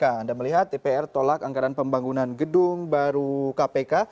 anda melihat dpr tolak anggaran pembangunan gedung baru kpk